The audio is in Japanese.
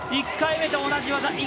１回目と同じ技